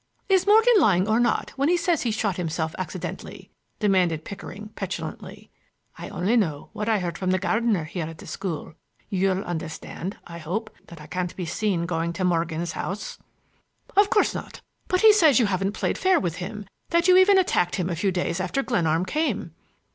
"Is Morgan lying or not when he says he shot himself accidentally?" demanded Pickering petulantly. "I only know what I heard from the gardener here at the school. You'll understand, I hope, that I can't be seen going to Morgan's house." "Of course not. But he says you haven't played fair with him, that you even attacked him a few days after Glenarm came."